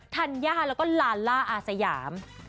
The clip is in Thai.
ธัญญาแล้วก็ลาล่าอาสยาม